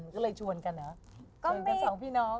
ก็เลยชวนกันเหรอ